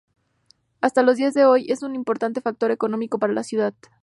Hasta los días de hoy, es un importante factor económico para la ciudad.